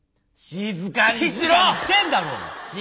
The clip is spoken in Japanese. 静かにしてんだろうが！